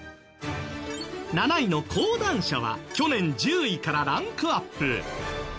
７位の講談社は去年１０位からランクアップ。